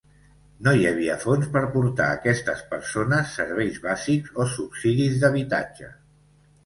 No hi havia fons per portar a aquestes persones serveis bàsics o subsidis d'habitatge.